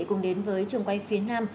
cùng đến với trường quay phía nam